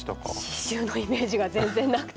刺しゅうのイメージが全然なくて。